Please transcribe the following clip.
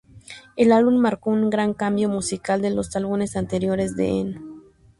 El álbum marcó un gran cambio musical de los álbumes anteriores de Eno.